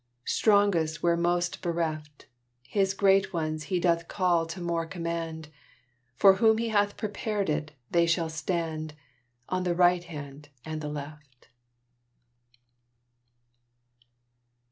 Strongest where most bereft! His great ones He doth call to more command. For whom He hath prepared it, they shall stand On the Right Hand and Left!